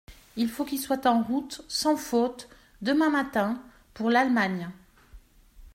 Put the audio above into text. Il faut qu’il soit en route, sans faute, demain matin, pour l’Allemagne.